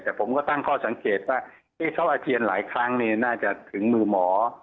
แต่ผมก็ตั้งข้อสังเกตว่าที่เขาอาเจียนหลายครั้งน่าจะถึงมือหมอ